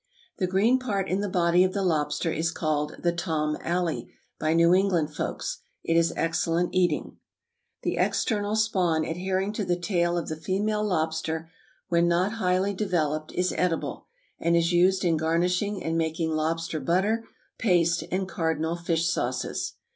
The green part in the body of the lobster is called the tom alley by New England folks. It is excellent eating. The external spawn adhering to the tail of the female lobster, when not highly developed, is edible, and is used in garnishing and making lobster butter, paste, and cardinal fish sauces.